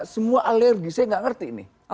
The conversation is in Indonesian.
semua alergi saya gak ngerti ini